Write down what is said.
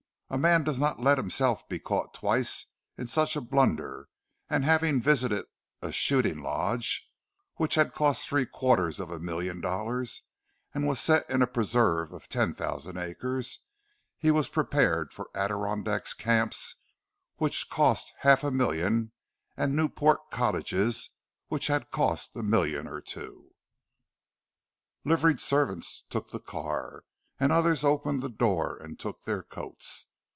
A man does not let himself be caught twice in such a blunder; and having visited a "shooting lodge" which had cost three quarters of a million dollars and was set in a preserve of ten thousand acres, he was prepared for Adirondack "camps" which had cost half a million and Newport "cottages" which had cost a million or two. Liveried servants took the car, and others opened the door and took their coats.